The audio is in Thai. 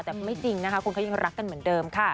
แต่ไม่จริงนะคะคุณเขายังรักกันเหมือนเดิมค่ะ